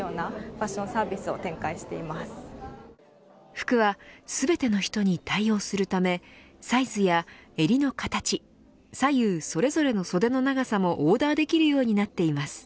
服は全ての人に対応するためサイズや襟の形左右それぞれの袖の長さもオーダーできるようになっています。